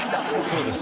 そうです。